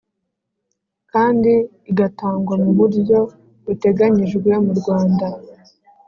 kandi igatangwa mu buryo buteganyijwe mu Rwanda